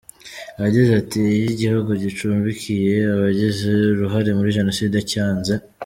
Yagize ati:” Iyo igihugu gicumbikiye abagize uruhare muri jenoside, cyanze .